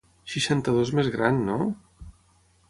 Seixanta-dos més gran, no?